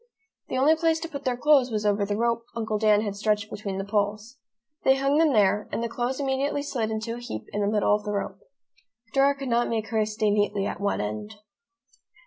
The only place to put their clothes was over the rope Uncle Dan had stretched between the poles. They hung them there, and the clothes immediately slid into a heap in the middle of the rope. Dora could not make hers stay neatly at one end.